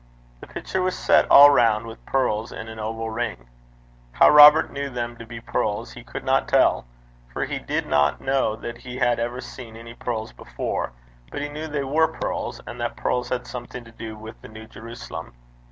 The picture was set all round with pearls in an oval ring. How Robert knew them to be pearls he could not tell, for he did not know that he had ever seen any pearls before, but he knew they were pearls, and that pearls had something to do with the New Jerusalem.